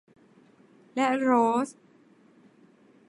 และโรส